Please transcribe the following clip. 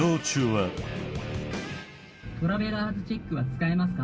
トラベラーズチェックは使えますか？